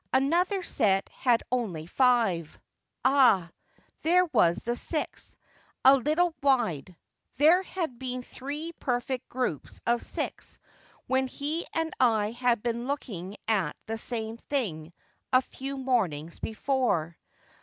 Another set had only five. Ah ! there was the sixth, a little wide. There had been three perfect groups of six when he and I had been looking at the same thing a few mornings before.